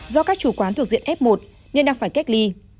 do các chủ quán thuộc diện f một nên đang phải cách ly